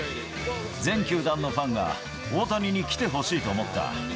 全球団のファンが大谷に来てほしいと思った。